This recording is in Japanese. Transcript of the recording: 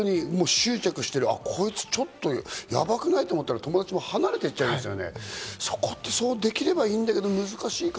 本当に執着している、こいつちょっとやばくない？と思ったら友達も離れていっちゃいますよね。